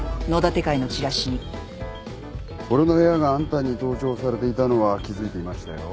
俺の部屋があんたに盗聴されていたのは気付いていましたよ。